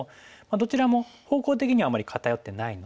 どちらも方向的にはあまり片寄ってないので。